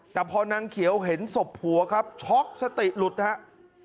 แต่พอนางเขียวเห็นศพผัวครับช็อกสติหลุดครับ